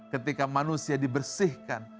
ketika manusia dibersihkan